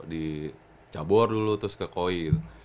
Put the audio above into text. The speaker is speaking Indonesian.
di cabor dulu terus ke koi